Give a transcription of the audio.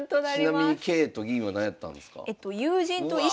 ちなみに桂と銀はなんやったんですか？